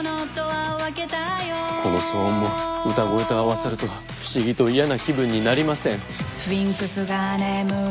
この騒音も歌声と合わさると不思議と嫌な気分になりません。